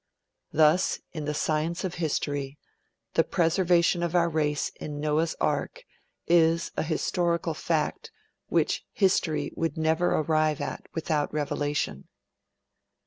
Thus, in the science of history, the preservation of our race in Noah's Ark is an historical fact, which history never would arrive at without revelation.'